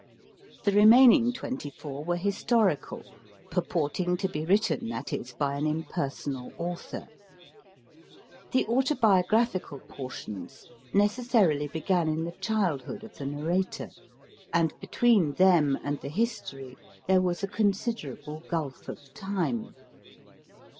The remaining twenty four were historical, purporting to be written, that is, by an impersonal author. The autobio graphical portions necessarily began in the childhood of the 198 MY FIRST BOOK narrator, and between them and the History there was a considerable gulf of time.